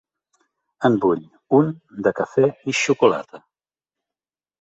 En vull un de cafè i xocolata.